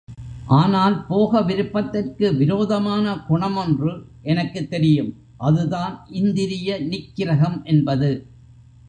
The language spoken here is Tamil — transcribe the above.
ஆனால் போக விருப்பத்திற்கு விரோதமான குணமொன்று எனக்குத் தெரியும், அதுதான் இந்திரிய நிக்கிரகம் என்பது.